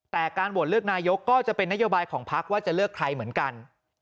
แต่การโหวตเลือกนายกก็จะเป็นนโยบายของพักว่าจะเลือกใครเหมือนกัน